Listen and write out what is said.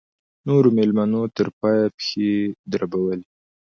نورو مېلمنو تر پایه پښې دربولې.